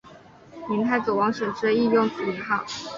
闽太祖王审知亦用此年号。